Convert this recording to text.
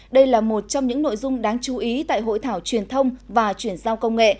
đây là một trong những nội dung đáng chú ý tại hội thảo truyền thông và chuyển giao công nghệ